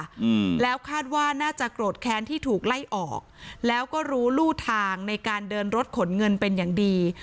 อืมแล้วคาดว่าน่าจะโกรธแค้นที่ถูกไล่ออกแล้วก็รู้รูทางในการเดินรถขนเงินเป็นอย่างดี